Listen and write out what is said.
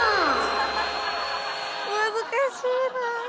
難しいなあ。